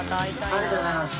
ありがとうございます。